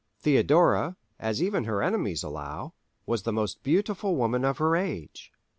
_ Theodora, as even her enemies allow, was the most beautiful woman of her age.